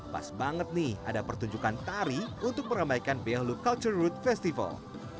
pas banget nih ada pertunjukan tari untuk meramaikan behalu culture road festival